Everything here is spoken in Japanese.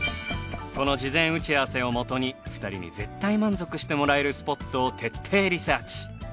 この事前打ち合わせをもとに２人に絶対満足してもらえるスポットを徹底リサーチ。